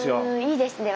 いいですね。